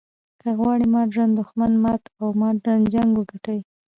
که غواړې ماډرن دښمن مات او ماډرن جنګ وګټې.